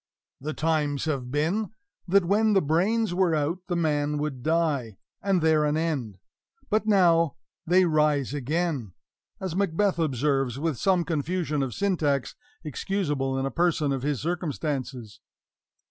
"The times have been, That, when the brains were out, the man would die, And there an end; but now they rise again," as Macbeth observes, with some confusion of syntax, excusable in a person of his circumstances.